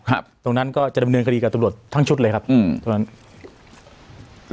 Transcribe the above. ครับตรงนั้นก็จะดำเนินคดีกับตำลดทั้งชุดเลยครับอืม